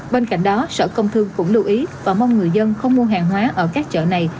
bên cạnh đó sở công thương cũng lưu ý và mong người dân không mua hàng hóa ở các chợ này